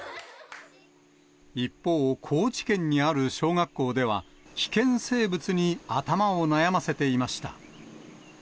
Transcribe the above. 一方、高知県にある小学校では、危険生物に頭を悩ませていました。